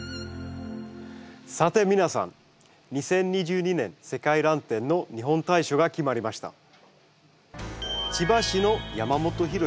さて皆さん「２０２２年世界らん展」の「日本大賞」が決まりました。